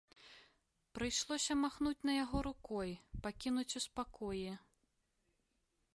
Прыйшлося махнуць на яго рукой, пакінуць у спакоі.